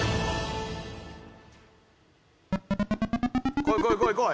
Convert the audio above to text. こいこいこいこい！